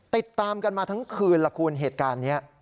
ติดตามกันมาทั้งคืนล่ะคุณเหตุการณ์นี้